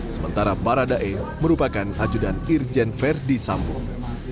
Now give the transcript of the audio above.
sementara baradae merupakan ajudan irjen verdi sambong